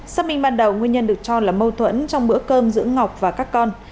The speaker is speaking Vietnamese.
xác minh ban đầu nguyên nhân được cho là mâu thuẫn trong bữa cơm giữa ngọc và các con